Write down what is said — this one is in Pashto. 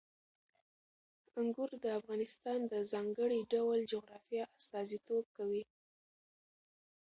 انګور د افغانستان د ځانګړي ډول جغرافیه استازیتوب کوي.